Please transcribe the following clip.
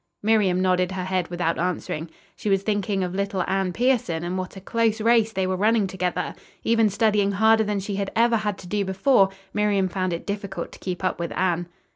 Miriam nodded her head without answering. She was thinking of little Anne Pierson and what a close race they were running together. Even studying harder than she had ever had to do before, Miriam found it difficult to keep up with Anne.